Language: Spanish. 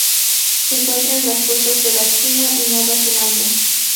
Se encuentra en las costas de la China y Nueva Zelanda.